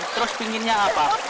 terus pinginnya apa